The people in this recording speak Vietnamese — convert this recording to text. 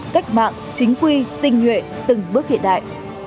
cách mạng chính quy tinh nhuệ từng bước hiện đại